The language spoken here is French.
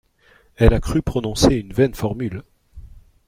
Elle a cru prononcer une vaine formule.